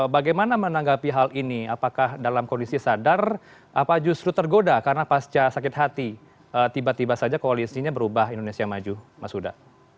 bagaimana menanggapi hal ini apakah dalam kondisi sadar apa justru tergoda karena pasca sakit hati tiba tiba saja koalisinya berubah indonesia maju mas huda